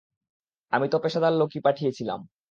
আমি তো পেশাদার লোকই পাঠিয়েছিলাম।